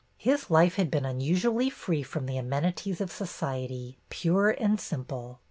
His life had been unusually free from the amenities of society, pure and simple.